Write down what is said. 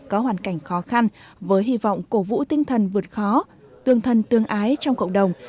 có hoàn cảnh khó khăn với hy vọng cổ vũ tinh thần vượt khó tương thân tương ái trong cộng đồng